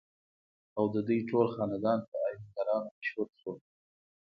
او ددوي ټول خاندان پۀ اهنګرانو مشهور شو ۔